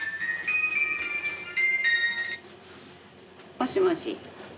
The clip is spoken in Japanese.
もしもし。